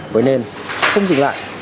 với nên không dừng lại